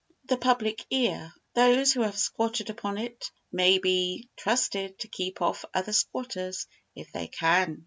The Public Ear Those who have squatted upon it may be trusted to keep off other squatters if they can.